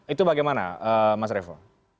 itu bagaimana mas revo